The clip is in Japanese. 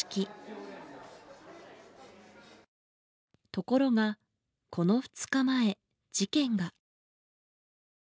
ところがこの２日前事件が。